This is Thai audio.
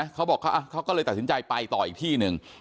เขาบอกเขาก็เลยตัดสินใจไปต่ออีกที่หนึ่ง